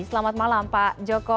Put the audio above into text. selamat malam pak joko